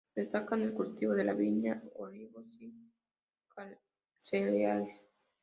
Destacan el cultivo de la viña, olivos y cereales.